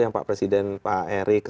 yang pak presiden pak erik